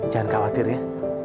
jangan khawatir ya